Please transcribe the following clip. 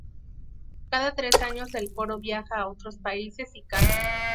Cada tres años el coro vieja a otros países y canta.